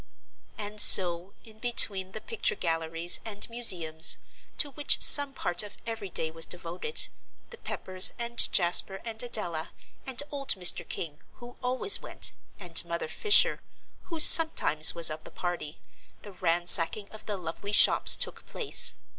And so, in between the picture galleries and museums, to which some part of every day was devoted, the Peppers and Jasper and Adela, and old Mr. King, who always went, and Mother Fisher, who sometimes was of the party, the ransacking of the lovely shops took place.